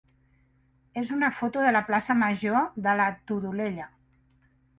és una foto de la plaça major de la Todolella.